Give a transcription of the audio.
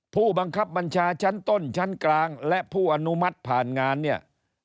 ผู้บังคับบัญชาชั้นต้นชั้นกลางและผู้อนุมัติผ่านงานเนี่ย